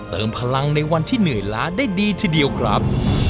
เติมพลังในวันที่เหนื่อยล้าได้ดีทีเดียวครับ